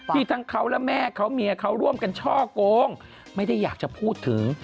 ทั้งเขาและแม่เขาเมียเขาร่วมกันช่อกงไม่ได้อยากจะพูดถึง